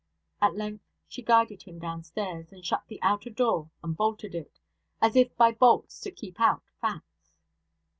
At length she guided him downstairs, and shut the outer door, and bolted it as if by bolts to keep out facts.